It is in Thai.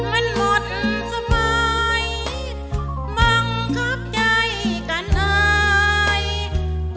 มันหมดสบายบังคับใจกันไหน